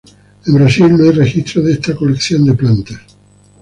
En Brasil, no hay registros de esta colección de plantas.